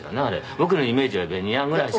「僕のイメージはベニヤぐらいしか」